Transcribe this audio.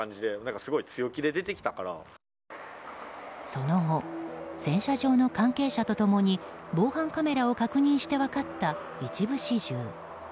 その後、洗車場の関係者と共に防犯カメラを確認して分かった一部始終。